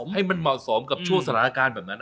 ให้มันเหมาะสมกับช่วงสถานการณ์แบบนั้น